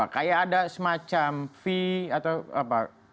kayak ada semacam fee atau apa